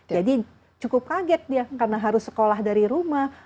jadi cukup kaget dia karena harus sekolah dari rumah